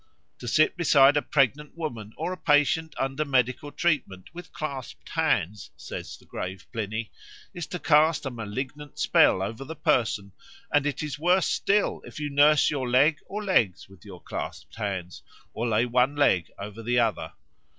To sit beside a pregnant woman or a patient under medical treatment with clasped hands, says the grave Pliny, is to cast a malignant spell over the person, and it is worse still if you nurse your leg or legs with your clasped hands, or lay one leg over the other.